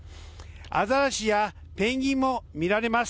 アザラシやペンギンも見られます。